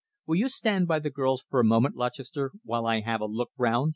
Will you stand by the girls for a moment, Lutchester, while I have a look round?"